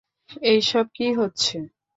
এইসব কী হচ্ছে?